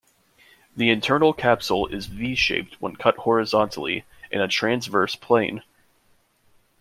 The internal capsule is V-shaped when cut horizontally, in a transverse plane.